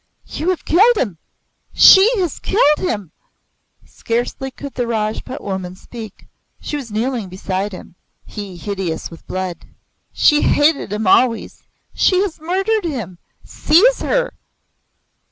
"You have killed him! She has killed him!" Scarcely could the Rajput woman speak. She was kneeling beside him he hideous with blood. "She hated him always. She has murdered him. Seize her!"